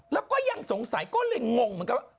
แล้วก็ยังสงสัยก็เลยงงเหมือนกันว่า